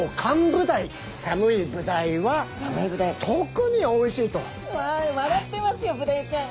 特に特に。わ笑ってますよブダイちゃん。